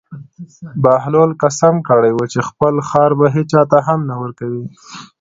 بهلول قسم کړی و چې خپل خر به هېچا ته هم نه ورکوي.